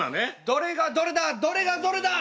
どれがどれだどれがどれだ！